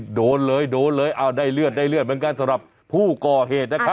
โดนเลยโดนเลยเอาได้เลือดได้เลือดเหมือนกันสำหรับผู้ก่อเหตุนะครับ